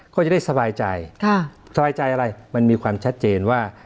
ก็จะได้สบายใจสบายใจอะไรมันมีความชัดเจนว่า